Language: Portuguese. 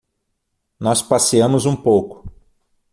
Nós passeamos um pouco